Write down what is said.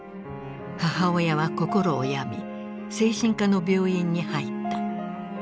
母親は心を病み精神科の病院に入った。